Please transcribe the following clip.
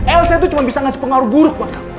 elsa itu cuma bisa ngasih pengaruh buruk buat kamu